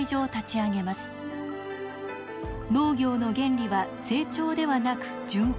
農業の原理は成長ではなく循環。